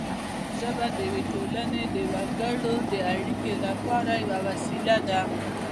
ژبه د یوې ټولنې د وګړو د اړیکو لپاره یوه وسیله ده